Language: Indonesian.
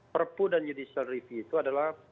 perpu dan judicial review itu adalah